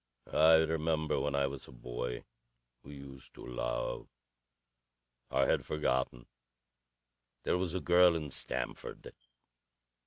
I remember, when I was a boy, we used to love. I had forgotten. There was a girl in Stamford....